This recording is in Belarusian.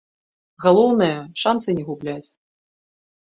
Галоўнае, шанцы не губляць.